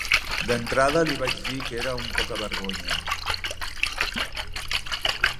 D'entrada li vaig dir que era un pocavergonya.